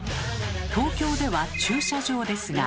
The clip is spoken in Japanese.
東京では「駐車場」ですが。